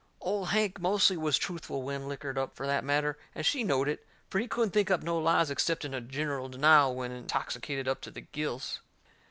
Old Hank mostly was truthful when lickered up, fur that matter, and she knowed it, fur he couldn't think up no lies excepting a gineral denial when intoxicated up to the gills.